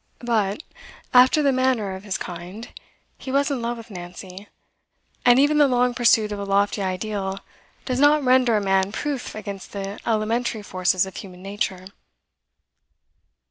But, after the manner of his kind, he was in love with Nancy, and even the long pursuit of a lofty ideal does not render a man proof against the elementary forces of human nature.